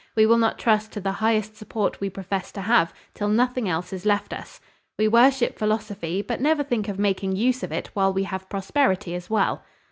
We will not trust to the highest support we profess to have, till nothing else is left us. We worship philosophy, but never think of making use of it while we have prosperity as well."